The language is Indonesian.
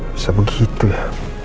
bisa begitu ya